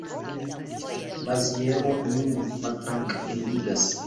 Maziero nin maltrankviligas.